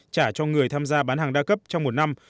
trả cho người tham gia bán hàng đa cấp trong một năm